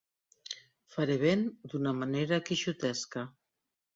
Faré vent d'una manera quixotesca.